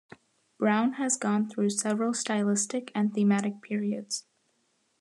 Brown has gone through several stylistic and thematic periods.